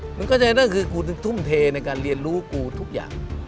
มึงเข้าใจมั้ยคือกูทุ่มเทในการเรียนรู้กูทุกอย่าง